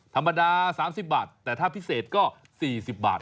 ธรรมดา๓๐บาทแต่ถ้าพิเศษก็๔๐บาท